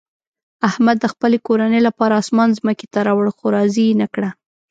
احمد د خپلې کورنۍ لپاره اسمان ځمکې ته راوړ، خو راضي یې نه کړه.